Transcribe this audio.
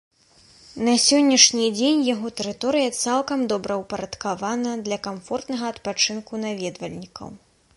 На сённяшні дзень яго тэрыторыя цалкам добраўпарадкавана для камфортнага адпачынку наведвальнікаў.